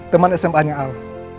teman sma nya al